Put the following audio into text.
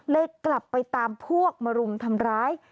กลับไปตามพวกมารุมทำร้าย